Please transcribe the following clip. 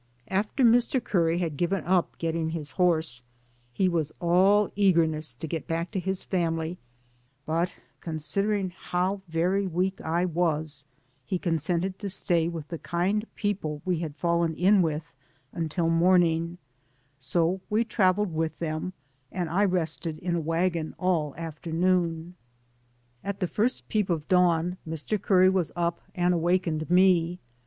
* "After Mr. Curry had given up getting his horse he was all eagerness to get back to his family, but considering how very weak I was, he consented to stay with the kind peo ple we had fallen in with until morning, so we traveled with them, and I rested in a wagon all afternoon. "At the first peep of dawn Mr. Curry was up and awakened me.